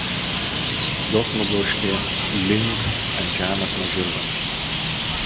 Jos nubloškė Link ant žemės nuo žirgo.